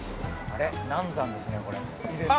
難産ですねこれ。